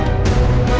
saya mau ke rumah sakit